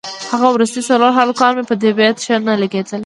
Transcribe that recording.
هغه وروستي څلور هلکان مې په طبیعت ښه نه لګېدل.